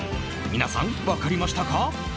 皆さん、分かりましたか？